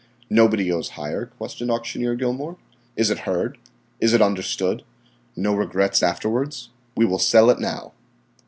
"Nobody goes higher?" questioned Auctioneer Gilmour. "Is it heard? Is it understood? No regrets afterwards? We will sell it now."